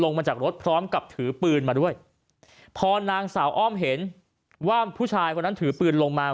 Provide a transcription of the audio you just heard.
มาจากรถพร้อมกับถือปืนมาด้วยพอนางสาวอ้อมเห็นว่าผู้ชายคนนั้นถือปืนลงมา